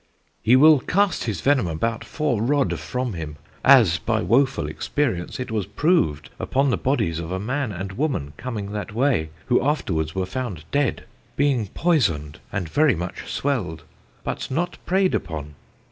"He will cast his venome about four rodde from him, as by woefull experience it was proved on the bodies of a man and a woman comming that way, who afterwards were found dead, being poysoned and very much swelled, but not prayed upon.